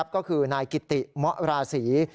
ก็คือนายกิติเมาะราศี